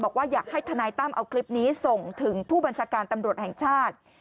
บอกว่าอยากให้ทนายตั้มเอาคลิปนี้ส่งถึงผู้บัญชาการตำรวจแห่งชาติ